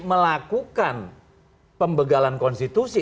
melakukan pembegalan konstitusi